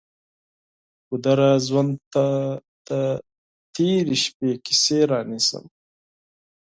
ګودره! ژوند ته دې د تیرې شپې کیسې رانیسم